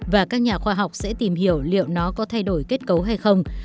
và các nhà khoa học sẽ tìm hiểu liệu nó có thay đổi kết cấu hay không